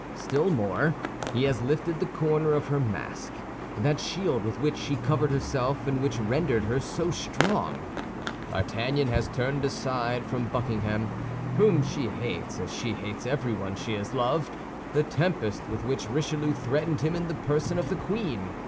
Still more, he has lifted the corner of her mask—that shield with which she covered herself and which rendered her so strong. D'Artagnan has turned aside from Buckingham, whom she hates as she hates everyone she has loved, the tempest with which Richelieu threatened him in the person of the queen.